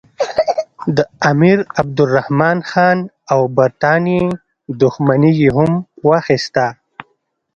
د امیرعبدالرحمن خان او برټانیې دښمني یې هم واخیسته.